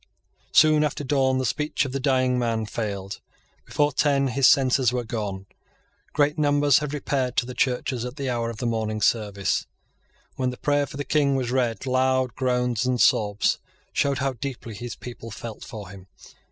Soon after dawn the speech of the dying man failed. Before ten his senses were gone. Great numbers had repaired to the churches at the hour of morning service. When the prayer for the King was read, loud groans and sobs showed how deeply his people felt for him.